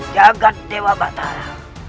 jagad dewa batara